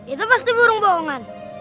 itu pasti burung bohongan